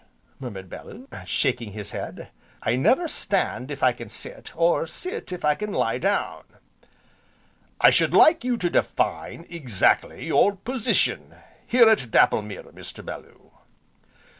murmured Bellew, shaking his head, "I never stand if I can sit, or sit if I can lie down." "I should like you to define, exactly, your position here at Dapplemere, Mr. Bellew."